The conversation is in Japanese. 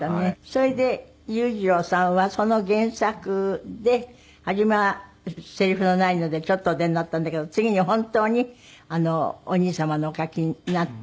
それで裕次郎さんはその原作で初めはせりふのないのでちょっとお出になったんだけど次に本当にお兄様のお書きになったもので。